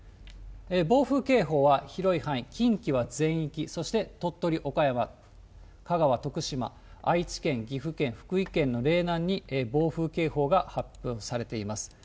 暴風警報は広い範囲、近畿は全域、そして鳥取、岡山、香川、徳島、愛知県、岐阜県、福井県のれいなんに暴風警報が発表されています。